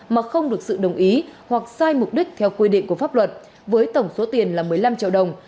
mà không được sự đồng ý hoặc sai mục đích theo quy định của pháp luật với tổng số tiền là một mươi năm triệu đồng